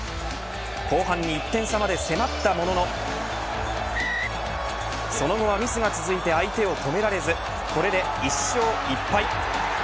後半に１点差まで迫ったもののその後はミスが続いて相手を止められずこれで１勝１敗。